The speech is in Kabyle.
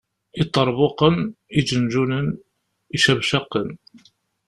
Iṭerbuqen, iǧenǧunen, icabcaqen.